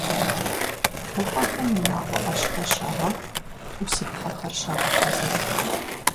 ХъупӀэхэм унагъуэ Ӏэщхэр щагъэхъу, Ӏусыпхъэхэр щагъэхьэзыр.